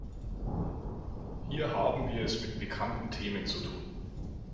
Hier haben wir es mit bekannten Themen zu tun.